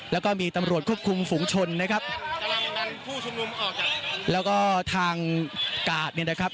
แล้วก็มีตำรวจควบคุมฝูงชนนะครับแล้วก็ทางกาดเนี่ยนะครับ